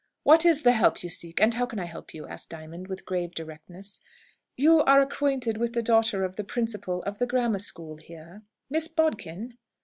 "What is the help you seek? And how can I help you?" asked Diamond, with grave directness. "You are acquainted with the daughter of the principal of the grammar school here " "Miss Bodkin?"